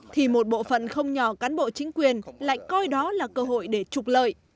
thì một bộ phận không nhỏ cán bộ chính quyền lại coi đó là cơ hội để trục lợi